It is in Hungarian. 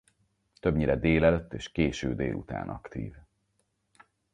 Többnyire délelőtt és késő délután aktív.